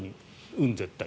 うん、絶対。